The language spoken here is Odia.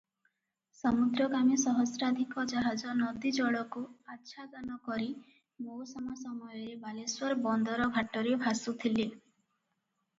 ସମୁଦ୍ରଗାମୀ ସହସ୍ରାଧିକ ଜାହାଜ ନଦୀ ଜଳକୁ ଆଚ୍ଛାଦନ କରି ମଉସମ ସମୟରେ ବାଲେଶ୍ୱର ବନ୍ଦର ଘାଟରେ ଭାସୁଥିଲେ ।